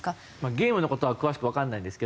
ゲームの事は詳しくわからないんですけど。